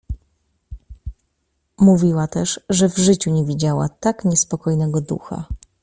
Mówiła też, że w życiu nie widziała tak niespokojnego ducha.